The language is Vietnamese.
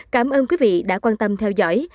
cảm ơn quý vị đã quan tâm theo dõi